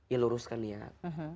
ya luruskan niat